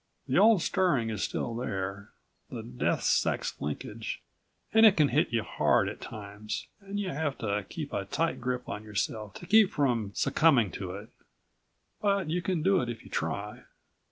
The old stirring is still there, the death sex linkage, and it can hit you hard at times and you have to keep a tight grip on yourself to keep from succumbing to it. But you can do it if you try.